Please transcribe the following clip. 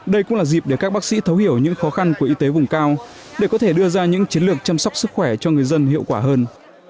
đây cũng là dịp để các bác sĩ thấu hiểu những khó khăn của y tế vùng cao để có thể đưa ra những chiến lược chăm sóc sức khỏe cho người dân hiệu quả hơn